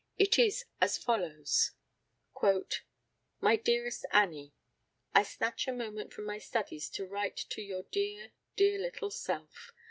It is as follows: "My dearest Annie, I snatch a moment from my studies to write to your dear, dear little self.